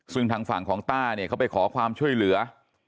ซึ่งทางฝั่งของต้าเนี่ยเขาไปขอความช่วยเหลือ